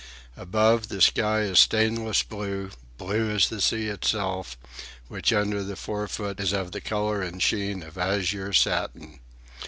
Above, the sky is stainless blue—blue as the sea itself, which under the forefoot is of the colour and sheen of azure satin.